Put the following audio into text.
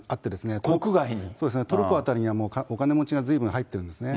そうですね、トルコ辺りにはもうお金持ちがずいぶん入ってるんですね。